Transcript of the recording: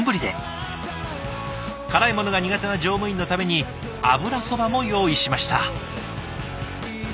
辛いものが苦手な乗務員のために油そばも用意しました。